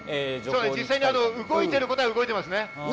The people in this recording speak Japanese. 実際、動いていることは動いています。